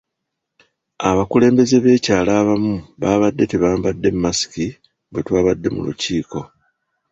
Abakulembeze b'ekyalo abamu baabadde tebambadde masiki bwe twabadde mu lukiiko.